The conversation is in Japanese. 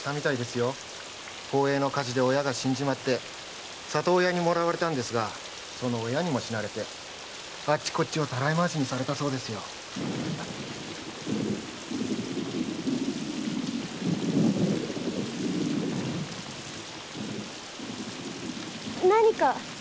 宝永の火事で親が死んで里親にもらわれたんですがその親にも死なれてあっちこっちをたらい回しにされたそうですよ。何か？